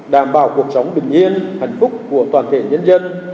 đảm bảo cuộc sống bình yên hạnh phúc của toàn thể nhân dân